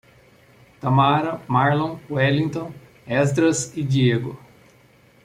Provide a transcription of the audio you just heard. Tamara, Marlon, Welligton, Esdras e Diego